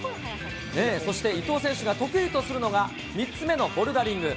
そして伊藤選手が得意とするのが、３つ目のボルダリング。